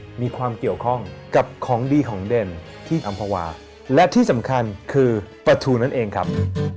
มีความเกี่ยวข้องกับของดีของเด่นที่อำภาวาและที่สำคัญคือปลาทูนั่นเองครับ